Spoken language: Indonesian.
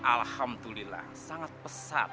alhamdulillah sangat pesat